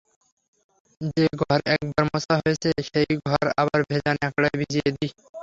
যে-ঘর একবার মোছা হয়েছে সেই ঘর আবার ভেজা ন্যাকড়ায় ভিজিয়ে দিই।